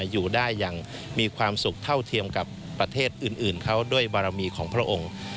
อยู่ได้อย่างมีความสุขเท่าเทียมกับประเทศอื่นเขาด้วยบารมีของพระองค์